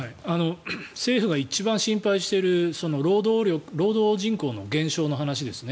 政府が一番心配している労働人口の減少の話ですね。